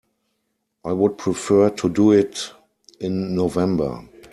I would prefer to do it in November.